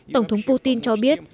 tổng thống putin cho biết